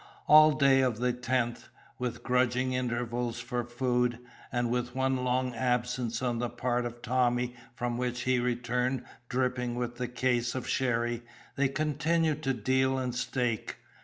All day of the 10th, with grudging intervals for food, and with one long absence on the part of Tommy from which he returned dripping with the case of sherry, they continued to deal and stake.